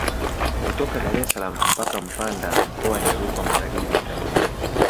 Kutoka Dar es salaam mpaka Mpanda mkoa ni Rukwa magharibi mwa Tanzania